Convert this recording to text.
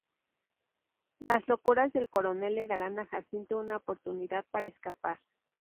Las locuras del Coronel le darán a Jacinto una oportunidad para escapar.